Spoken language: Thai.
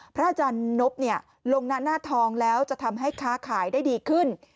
พระอาจารย์นบลงหน้าทองแล้วจะทำให้ค้าขายได้ดีขึ้น